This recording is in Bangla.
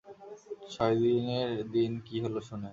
ছয় দিনের দিন কি হল শুনেন।